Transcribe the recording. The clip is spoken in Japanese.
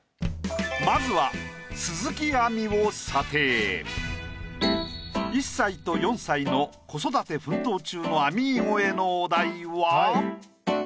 まずは１歳と４歳の子育て奮闘中のあみーゴへのお題は。